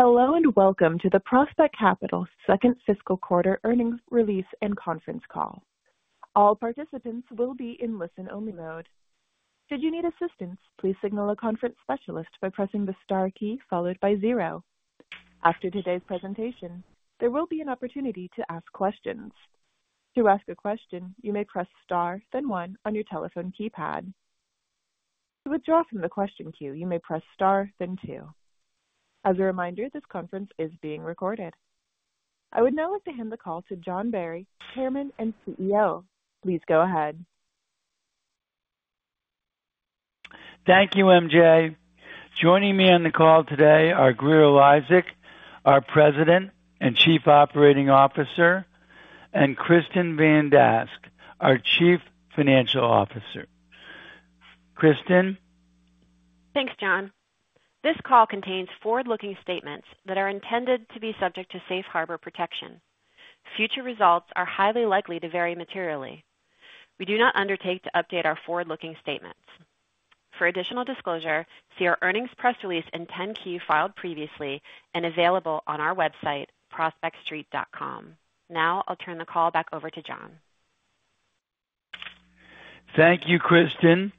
Hello and welcome to the Prospect Capital's second Fiscal Quarter Earnings Release and Conference Call. All participants will be in listen-only mode. Should you need assistance, please signal a conference specialist by pressing the star key followed by zero. After today's presentation, there will be an opportunity to ask questions. To ask a question, you may press star, then one on your telephone keypad. To withdraw from the question queue, you may press star, then two. As a reminder, this conference is being recorded. I would now like to hand the call to John Barry, Chairman and CEO. Please go ahead. Thank you, MJ. Joining me on the call today are Grier Eliasek, our President and Chief Operating Officer, and Kristin Van Dask, our Chief Financial Officer. Kristin? Thanks, John. This call contains forward-looking statements that are intended to be subject to safe harbor protection. Future results are highly likely to vary materially. We do not undertake to update our forward-looking statements. For additional disclosure, see our earnings press release and 10-K filed previously and available on our website, prospectstreet.com. Now I'll turn the call back over to John. Thank you, Kristin.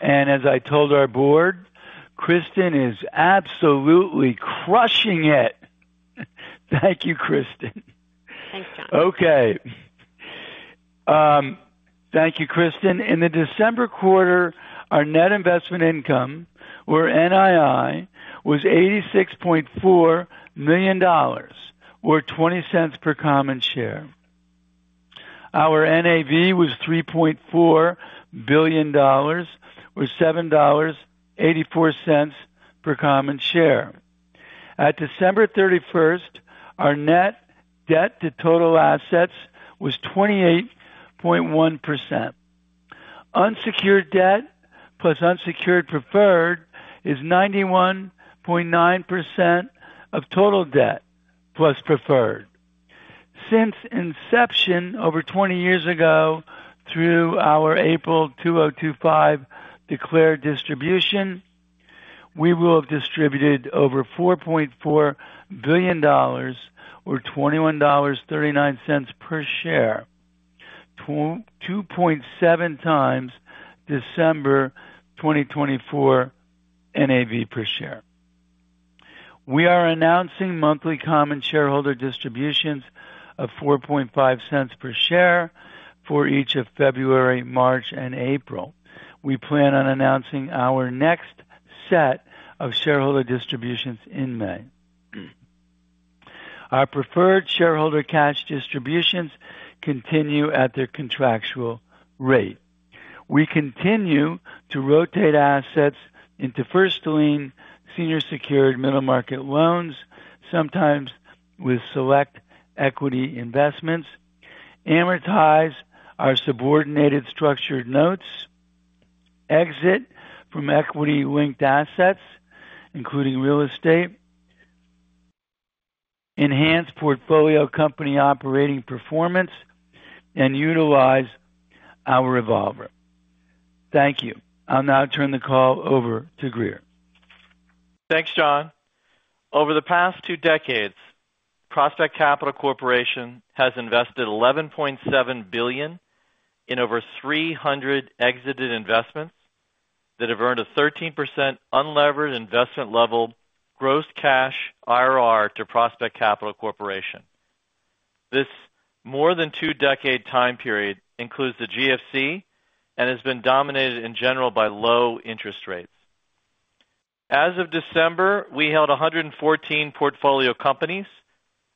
And as I told our board, Kristin is absolutely crushing it. Thank you, Kristin. Thanks, John. Okay. Thank you, Kristin. In the December quarter, our net investment income, or NII, was $86.4 million, or $0.20 per common share. Our NAV was $3.4 billion, or $7.84 per common share. At December 31st, our net debt to total assets was 28.1%. Unsecured debt plus unsecured preferred is 91.9% of total debt plus preferred. Since inception over 20 years ago through our April 2025 declared distribution, we will have distributed over $4.4 billion, or $21.39 per share, 2.7 times December 2024 NAV per share. We are announcing monthly common shareholder distributions of $0.045 per share for each of February, March, and April. We plan on announcing our next set of shareholder distributions in May. Our preferred shareholder cash distributions continue at their contractual rate. We continue to rotate assets into first-lien, senior-secured middle-market loans, sometimes with select equity investments, amortize our subordinated structured notes, exit from equity-linked assets, including real estate, enhance portfolio company operating performance, and utilize our revolver. Thank you. I'll now turn the call over to Grier. Thanks, John. Over the past two decades, Prospect Capital Corporation has invested $11.7 billion in over 300 exited investments that have earned a 13% unlevered investment level gross cash IRR to Prospect Capital Corporation. This more-than-two-decade time period includes the GFC and has been dominated in general by low interest rates. As of December, we held 114 portfolio companies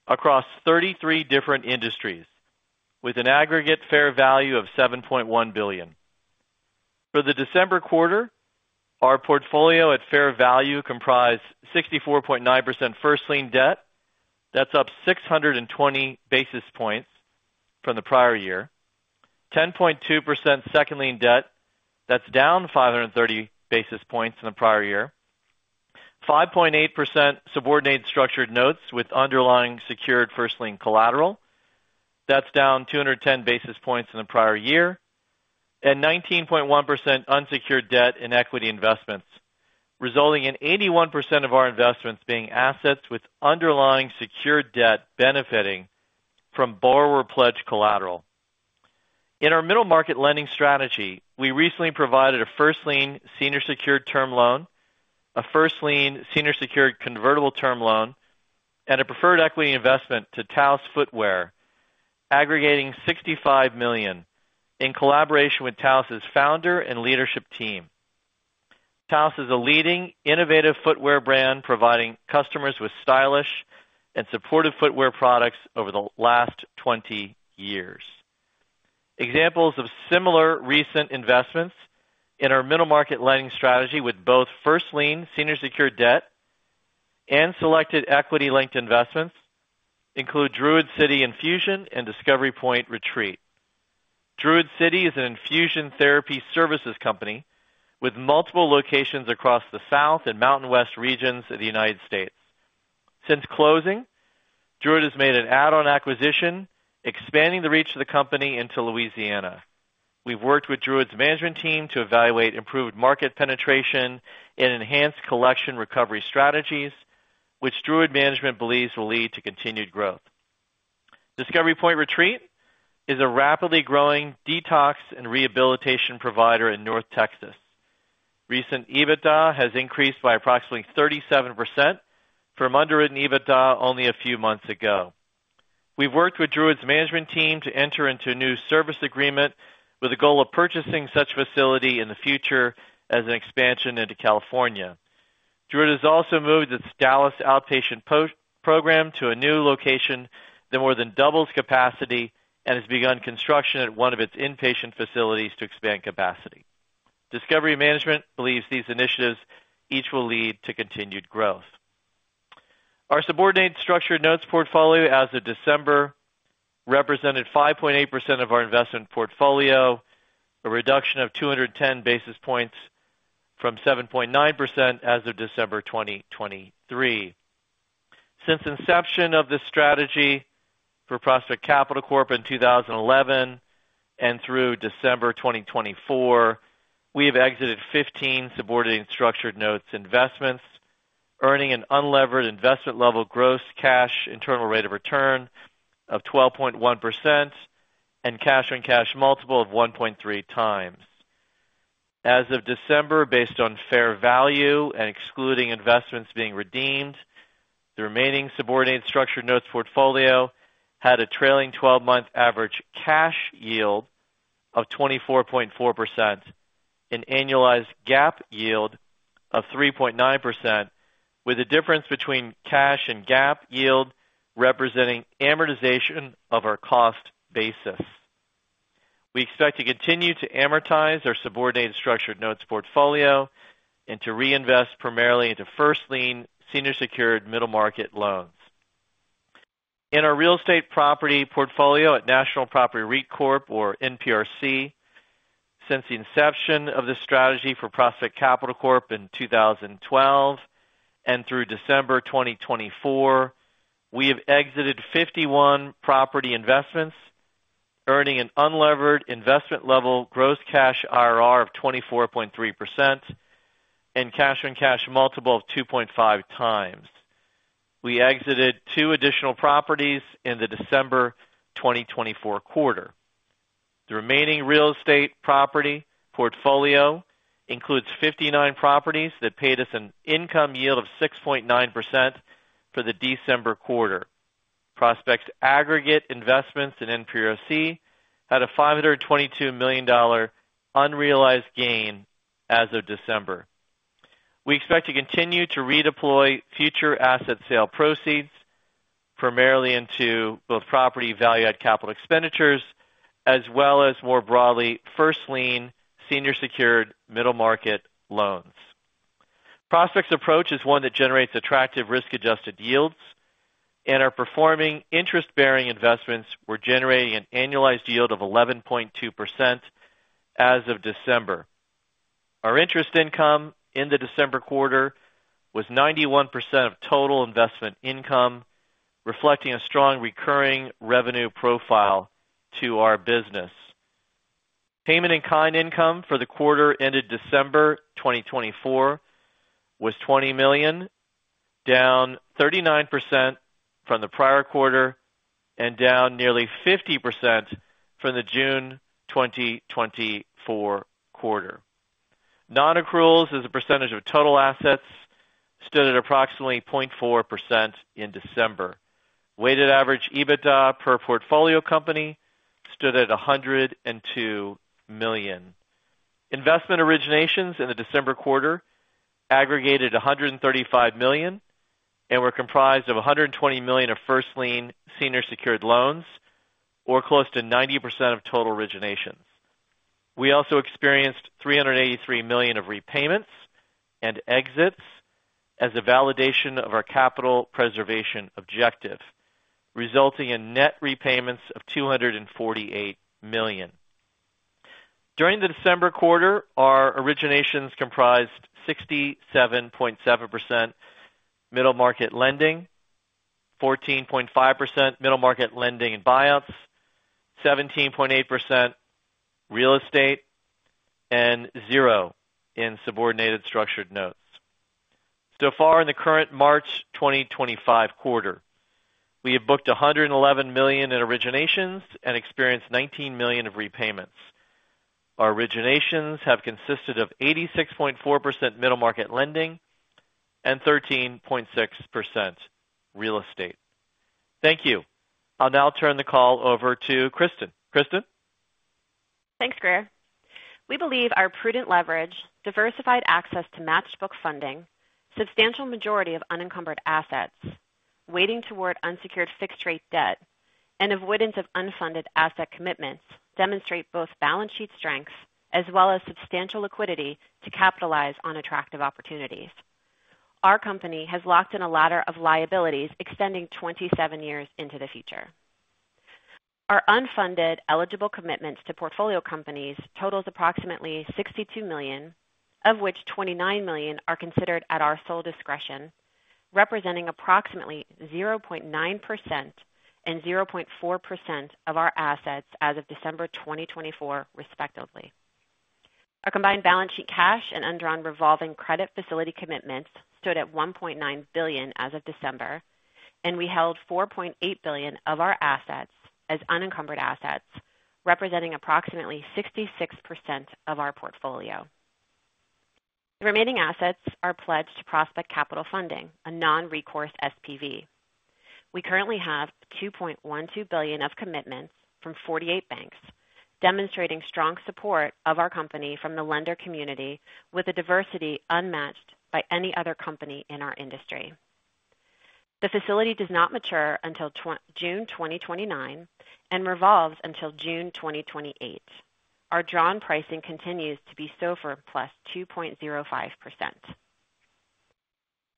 across 33 different industries with an aggregate fair value of $7.1 billion. For the December quarter, our portfolio at fair value comprised 64.9% first-lien debt, that's up 620 basis points from the prior year. 10.2% second-lien debt, that's down 530 basis points from the prior year. 5.8% subordinated structured notes with underlying secured first-lien collateral, that's down 210 basis points from the prior year. And 19.1% unsecured debt and equity investments, resulting in 81% of our investments being assets with underlying secured debt benefiting from borrower-pledged collateral. In our middle-market lending strategy, we recently provided a first-lien, senior-secured term loan, a first-lien, senior-secured convertible term loan, and a preferred equity investment to Taos Footwear, aggregating $65 million in collaboration with Taos' founder and leadership team. Taos is a leading, innovative footwear brand providing customers with stylish and supportive footwear products over the last 20 years. Examples of similar recent investments in our middle-market lending strategy with both first-lien, senior-secured debt and selected equity-linked investments include Druid City Infusion and Discovery Point Retreat. Druid City is an infusion therapy services company with multiple locations across the South and Mountain West regions of the United States. Since closing, Druid has made an add-on acquisition, expanding the reach of the company into Louisiana. We've worked with Druid's management team to evaluate improved market penetration and enhanced collection recovery strategies, which Druid management believes will lead to continued growth. Discovery Point Retreat is a rapidly growing detox and rehabilitation provider in North Texas. Recent EBITDA has increased by approximately 37% from underwritten EBITDA only a few months ago. We've worked with Druid's management team to enter into a new service agreement with a goal of purchasing such facility in the future as an expansion into California. Druid has also moved its Dallas outpatient program to a new location that more than doubles capacity and has begun construction at one of its inpatient facilities to expand capacity. Discovery management believes these initiatives each will lead to continued growth. Our subordinated structured notes portfolio as of December represented 5.8% of our investment portfolio, a reduction of 210 basis points from 7.9% as of December 2023. Since inception of this strategy for Prospect Capital Corporation in 2011 and through December 2024, we have exited 15 subordinated structured notes investments, earning an unlevered investment level gross cash internal rate of return of 12.1% and cash on cash multiple of 1.3 times. As of December, based on fair value and excluding investments being redeemed, the remaining subordinated structured notes portfolio had a trailing 12-month average cash yield of 24.4%, an annualized GAAP yield of 3.9%, with a difference between cash and GAAP yield representing amortization of our cost basis. We expect to continue to amortize our subordinated structured notes portfolio and to reinvest primarily into first-lien, senior-secured middle-market loans. In our real estate property portfolio at National Property REIT Corp. or NPRC, since the inception of the strategy for Prospect Capital Corp in 2012 and through December 2024, we have exited 51 property investments, earning an unlevered investment level gross cash IRR of 24.3% and cash on cash multiple of 2.5 times. We exited two additional properties in the December 2024 quarter. The remaining real estate property portfolio includes 59 properties that paid us an income yield of 6.9% for the December quarter. Prospect's aggregate investments in NPRC had a $522 million unrealized gain as of December. We expect to continue to redeploy future asset sale proceeds primarily into both property value-added capital expenditures as well as more broadly first-lien, senior-secured middle-market loans. Prospect's approach is one that generates attractive risk-adjusted yields, and our performing interest-bearing investments were generating an annualized yield of 11.2% as of December. Our interest income in the December quarter was 91% of total investment income, reflecting a strong recurring revenue profile to our business. Payment-in-kind income for the quarter ended December 2024 was $20 million, down 39% from the prior quarter and down nearly 50% from the June 2024 quarter. Non-accruals as a percentage of total assets stood at approximately 0.4% in December. Weighted average EBITDA per portfolio company stood at $102 million. Investment originations in the December quarter aggregated $135 million and were comprised of $120 million of first-lien, senior-secured loans, or close to 90% of total originations. We also experienced $383 million of repayments and exits as a validation of our capital preservation objective, resulting in net repayments of $248 million. During the December quarter, our originations comprised 67.7% middle-market lending, 14.5% middle-market lending and buyouts, 17.8% real estate, and zero in subordinated structured notes. So far, in the current March 2025 quarter, we have booked $111 million in originations and experienced $19 million of repayments. Our originations have consisted of 86.4% middle-market lending and 13.6% real estate. Thank you. I'll now turn the call over to Kristin. Kristin? Thanks, Grier. We believe our prudent leverage, diversified access to matched-book funding, substantial majority of unencumbered assets, weighting toward unsecured fixed-rate debt, and avoidance of unfunded asset commitments demonstrate both balance sheet strengths as well as substantial liquidity to capitalize on attractive opportunities. Our company has locked in a ladder of liabilities extending 27 years into the future. Our unfunded eligible commitments to portfolio companies total approximately $62 million, of which $29 million are considered at our sole discretion, representing approximately 0.9% and 0.4% of our assets as of December 2024, respectively. Our combined balance sheet cash and underlying revolving credit facility commitments stood at $1.9 billion as of December, and we held $4.8 billion of our assets as unencumbered assets, representing approximately 66% of our portfolio. The remaining assets are pledged to Prospect Capital Funding, a non-recourse SPV. We currently have $2.12 billion of commitments from 48 banks, demonstrating strong support of our company from the lender community with a diversity unmatched by any other company in our industry. The facility does not mature until June 2029 and revolves until June 2028. Our drawn pricing continues to be SOFR plus 2.05%.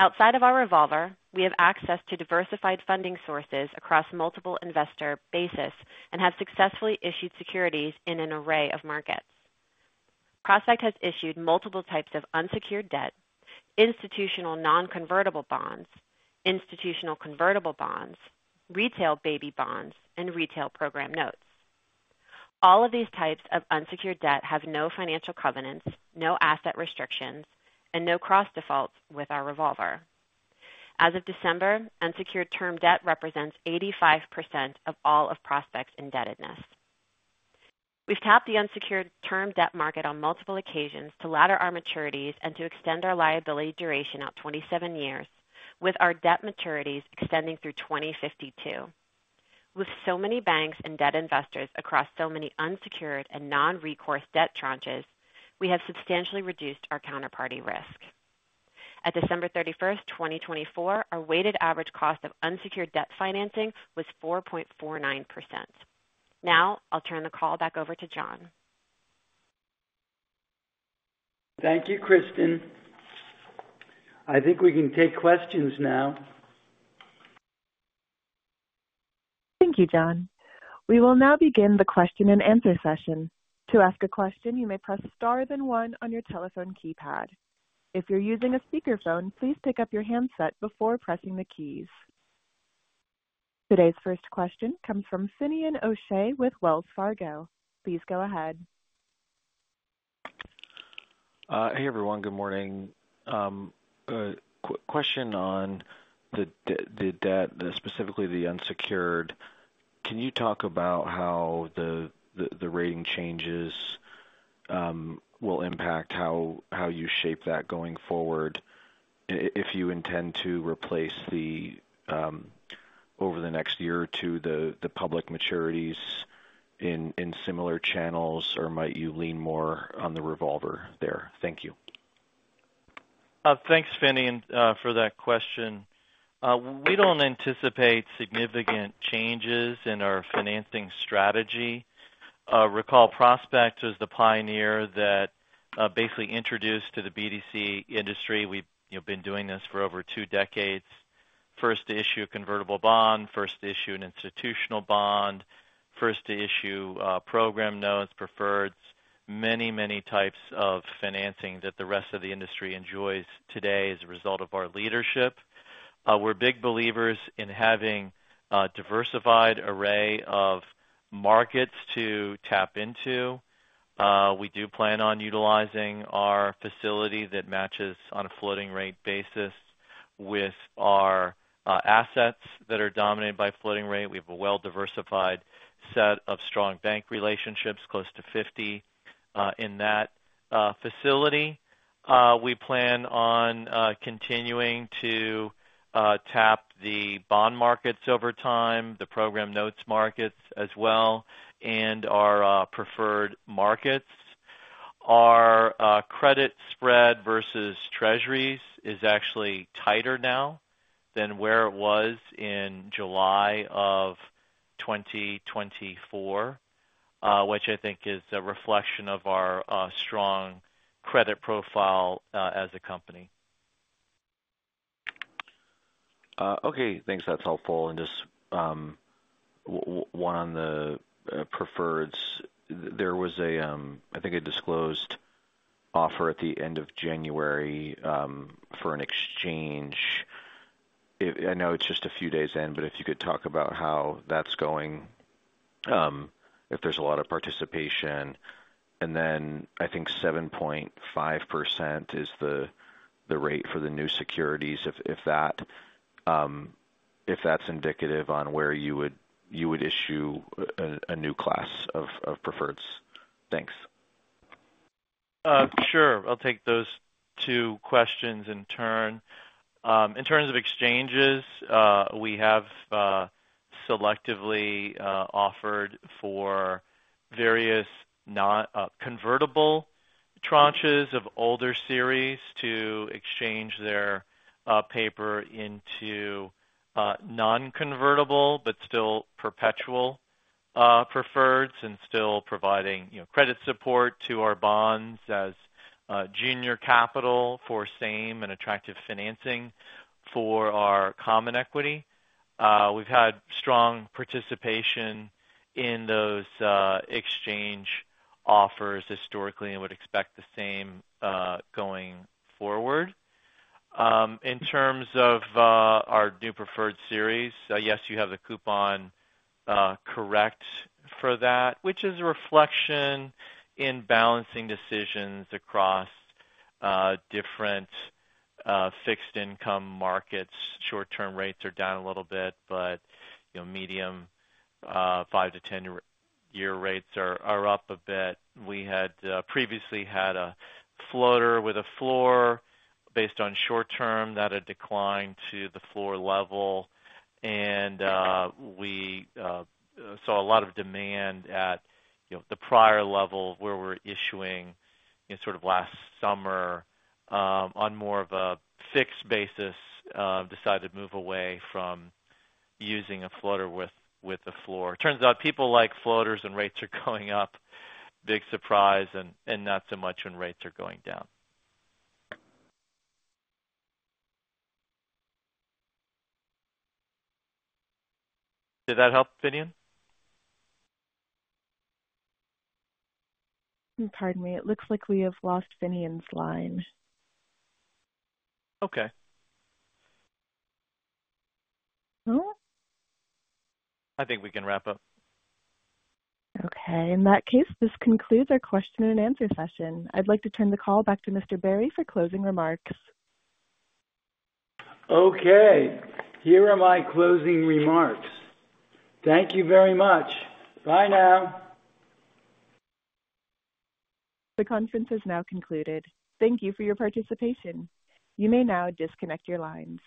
Outside of our revolver, we have access to diversified funding sources across multiple investor bases and have successfully issued securities in an array of markets. Prospect has issued multiple types of unsecured debt, institutional non-convertible bonds, institutional convertible bonds, retail baby bonds, and retail program notes. All of these types of unsecured debt have no financial covenants, no asset restrictions, and no cross-defaults with our revolver. As of December, unsecured term debt represents 85% of all of Prospect's indebtedness. We've tapped the unsecured term debt market on multiple occasions to ladder our maturities and to extend our liability duration out 27 years, with our debt maturities extending through 2052. With so many banks and debt investors across so many unsecured and non-recourse debt tranches, we have substantially reduced our counterparty risk. At December 31st, 2024, our weighted average cost of unsecured debt financing was 4.49%. Now, I'll turn the call back over to John. Thank you, Kristin. I think we can take questions now. Thank you, John. We will now begin the question-and-answer session. To ask a question, you may press star then one on your telephone keypad. If you're using a speakerphone, please pick up your handset before pressing the keys. Today's first question comes from Finian O'Shea with Wells Fargo. Please go ahead. Hey, everyone. Good morning. Question on the debt, specifically the unsecured. Can you talk about how the rating changes will impact how you shape that going forward if you intend to replace the, over the next year or two, the public maturities in similar channels, or might you lean more on the revolver there? Thank you. Thanks, Finney, for that question. We don't anticipate significant changes in our financing strategy. Recall, Prospect was the pioneer that basically introduced to the BDC industry. We've been doing this for over two decades. First to issue a convertible bond, first to issue an institutional bond, first to issue program notes, preferreds, many, many types of financing that the rest of the industry enjoys today as a result of our leadership. We're big believers in having a diversified array of markets to tap into. We do plan on utilizing our facility that matches on a floating rate basis with our assets that are dominated by floating rate. We have a well-diversified set of strong bank relationships, close to 50 in that facility. We plan on continuing to tap the bond markets over time, the program notes markets as well, and our preferred markets. Our credit spread versus Treasuries is actually tighter now than where it was in July of 2024, which I think is a reflection of our strong credit profile as a company. Okay. Thanks. That's helpful. And just one on the preferreds. There was a, I think, a disclosed offer at the end of January for an exchange. I know it's just a few days in, but if you could talk about how that's going, if there's a lot of participation. And then I think 7.5% is the rate for the new securities, if that's indicative on where you would issue a new class of preferreds. Thanks. Sure. I'll take those two questions in turn. In terms of exchanges, we have selectively offered for various convertible tranches of older series to exchange their paper into non-convertible but still perpetual preferreds and still providing credit support to our bonds as junior capital for same and attractive financing for our common equity. We've had strong participation in those exchange offers historically and would expect the same going forward. In terms of our new preferred series, yes, you have the coupon correct for that, which is a reflection in balancing decisions across different fixed-income markets. Short-term rates are down a little bit, but medium 5- to 10-year rates are up a bit. We had previously had a floater with a floor based on short-term that had declined to the floor level. We saw a lot of demand at the prior level where we're issuing sort of last summer on more of a fixed basis, decided to move away from using a floater with a floor. Turns out people like floaters and rates are going up. Big surprise and not so much when rates are going down. Did that help, Finney? Pardon me. It looks like we have lost Finian in his line. Okay. Cool. I think we can wrap up. Okay. In that case, this concludes our question-and-answer session. I'd like to turn the call back to Mr. Barry for closing remarks. Okay. Here are my closing remarks. Thank you very much. Bye now. The conference has now concluded. Thank you for your participation. You may now disconnect your lines.